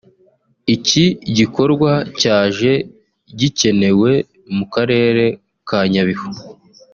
Iki gikorwa cyaje gikenewe mu karere ka Nyabihu